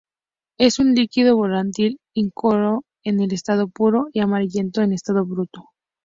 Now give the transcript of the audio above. Es un líquido volátil incoloro en estado puro, y amarillento en estado bruto.